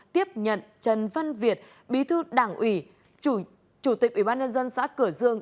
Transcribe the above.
tiếp nhận trần văn việt bí thư đảng ủy chủ tịch ủy ban nhân dân xã cửa dương